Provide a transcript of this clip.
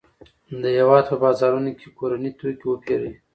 د هېواد په بازارونو کې کورني توکي وپیرئ.